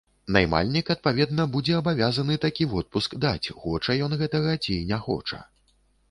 Наймальнік, адпаведна, будзе абавязаны такі водпуск даць, хоча ён гэтага ці не хоча.